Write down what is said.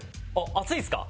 暑いっすか？